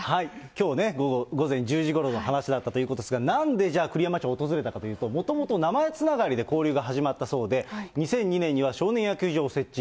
きょうね、午前１０時ごろの話だったということですが、なんでじゃあ、栗山町を訪れたかというと、もともと名前つながりで交流が始まったそうで、２００２年には少年野球場を設置。